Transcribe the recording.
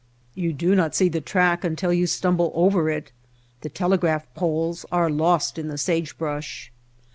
You do not see the track until you stumble over it, the telegraph poles are lost in the sagebrush.